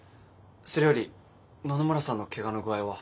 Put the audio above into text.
それより野々村さんのけがの具合は。